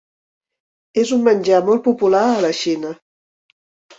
És un menjar molt popular a la Xina.